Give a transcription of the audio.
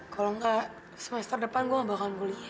kalau enggak semester depan gue nggak bakalan kuliah